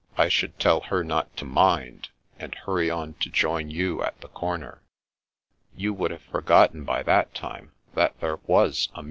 I should tell her not to mind, and hurry on to join you at the comer." " You would have forgotten by that time that there was a Me."